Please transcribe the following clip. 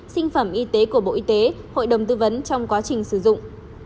sinh phẩm y tế của bộ y tế hội đồng tư vấn trong quá trình sử dụng